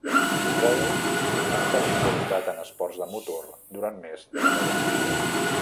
Lukoil ha estat involucrat en esports de motor durant més de deu anys.